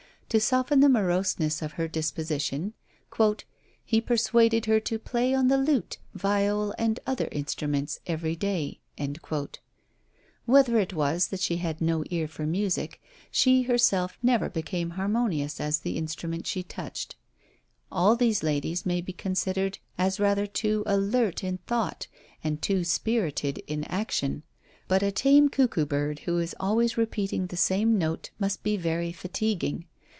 To soften the moroseness of her disposition, "he persuaded her to play on the lute, viol, and other instruments, every day." Whether it was that she had no ear for music, she herself never became harmonious as the instrument she touched. All these ladies may be considered as rather too alert in thought, and too spirited in action; but a tame cuckoo bird who is always repeating the same note must be very fatiguing.